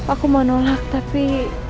aku mau nolak tapi